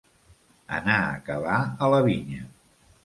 Anar a cavar a la vinya.